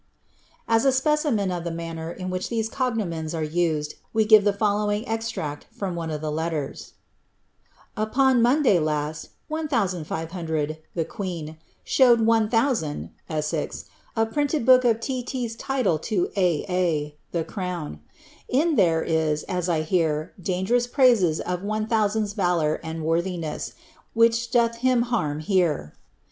As a specimen of the manner in which these cognomens are used, we give the following ex tract from one of the letters :— Upon Monday last, 1500 (the queen) showed 1000 (Ewox) a printed book of t — 1'» title to a — a (the crown.) In it there is, as I hear, dangerous praises of his (1000*8) valour and worthiness, which doth him harm here.